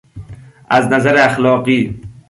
از نظر اخلاقی